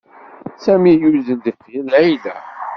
Sami yuzzel deffir Layla.